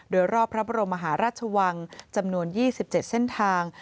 โดยรอบพระบรมมหาราชวังจำนวน๒๗เส้นทาง